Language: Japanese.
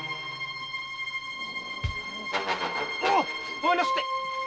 ごめんなすって。